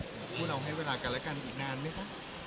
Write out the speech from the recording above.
พี่แมนเตอร์ว่าให้เวลากันละกันอีกนานไหมคะ